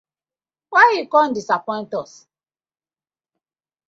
Wai you come us disappoint?